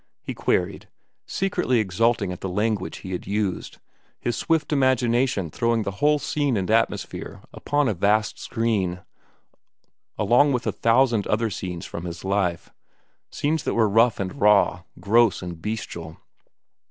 he queried, secretly exulting at the language he had used, his swift imagination throwing the whole scene and atmosphere upon a vast screen along with a thousand other scenes from his life—scenes that were rough and raw, gross and bestial.